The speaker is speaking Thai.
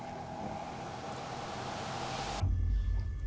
จริง